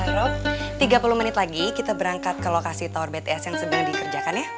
herop tiga puluh menit lagi kita berangkat ke lokasi tower bts yang sedang dikerjakan ya